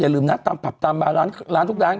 ยังลืมนะตามร้านทุกร้าน